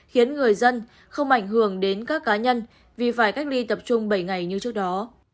khiến người dân không ảnh hưởng đến các cá nhân vì phải cách ly tập trung bảy ngày như trước đó